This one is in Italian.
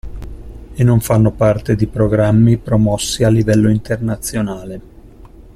E non fanno parte di programmi promossi a livello internazionale.